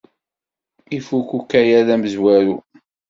Ifuk ukayad amezwaru!